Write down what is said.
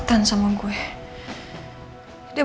kalau kita mati sudah boleh pilihan